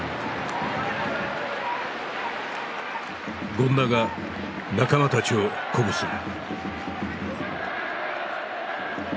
権田が仲間たちを鼓舞する。